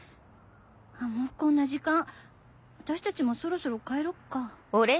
あっもうこんな時間私たちもそろそろ帰ろっか。